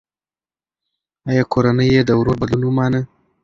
ایا کورنۍ یې د ورور بدلون ومنه؟